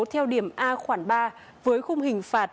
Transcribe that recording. theo điểm a khoảng ba với khung hình phạt